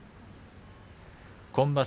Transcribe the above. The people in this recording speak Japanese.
今場所